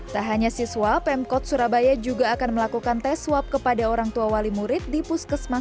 tak hanya siswa pemkot surabaya juga akan melakukan tes swab kepada orang tua wali murid di puskesmas